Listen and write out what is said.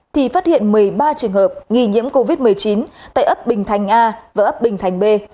thì phát hiện một mươi ba trường hợp nghi nhiễm covid một mươi chín tại ấp bình thành a và ấp bình thành b